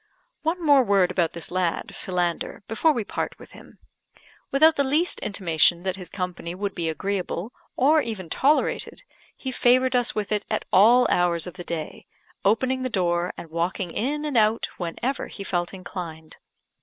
One word more about this lad, Philander, before we part with him. Without the least intimation that his company would be agreeable, or even tolerated, he favoured us with it at all hours of the day, opening the door and walking in and out whenever he felt inclined.